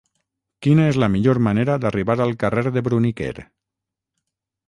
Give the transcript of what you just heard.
Quina és la millor manera d'arribar al carrer de Bruniquer?